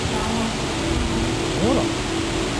Ɣur-em!